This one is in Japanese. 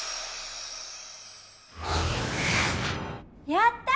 やった！